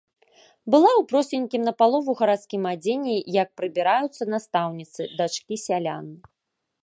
Была ў просценькім, напалову гарадскім адзенні, як прыбіраюцца настаўніцы, дачкі сялян.